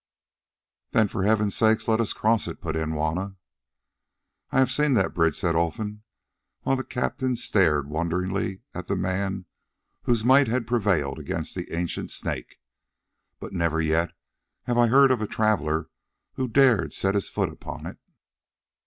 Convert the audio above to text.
"Then for heaven's sake let us cross it," put in Juanna. "I have seen that bridge," said Olfan, while the captains stared wonderingly at the man whose might had prevailed against the ancient Snake, "but never yet have I heard of the traveller who dared to set his foot upon it."